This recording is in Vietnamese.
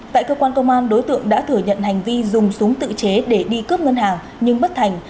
tại cơ quan công an đối tượng đã thừa nhận hành vi dùng súng tự chế để đi cướp ngân hàng nhưng bất thành